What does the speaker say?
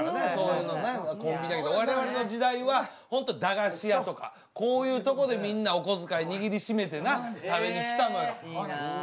コンビニだけど我々の時代はホント駄菓子屋とかこういうとこでみんなお小遣い握り締めてな食べに来たのよ。いいな。